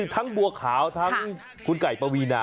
ทั้งบวกขาว